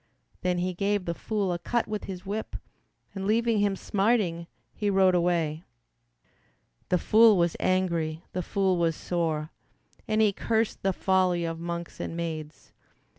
Then he gave the fool a cut with his whip And leaving him smarting, he rode away. The fool was angry, the fool was sore, And he cursed the folly of monks and maids.